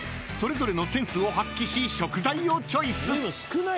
［それぞれのセンスを発揮し食材をチョイス］